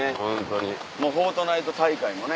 『フォートナイト』大会もね。